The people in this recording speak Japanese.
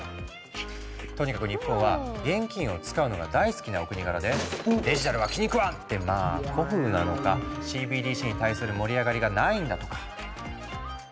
とにかく日本は現金を使うのが大好きなお国柄で「デジタルは気に食わん！」ってまあ古風なのかＣＢＤＣに対する盛り上がりがないんだとか。